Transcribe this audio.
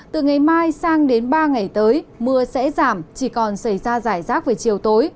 từ ngày mai sang đến ba ngày tới mưa sẽ giảm chỉ còn xảy ra giải rác về chiều tối